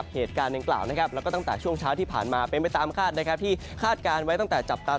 จะมีฝนตกลงต่างหลายหล่อมาวันนี้ก็ตกจริงนะคะ